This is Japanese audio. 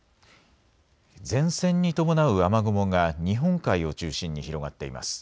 前線に伴う雨雲が日本海を中心に広がっています。